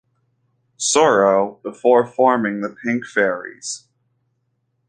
Sorrow, before forming The Pink Fairies.